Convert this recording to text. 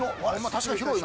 確かに広いな。